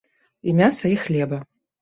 І мяса і хлеба.